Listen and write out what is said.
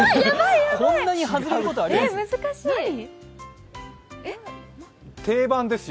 こんなに外れることあります？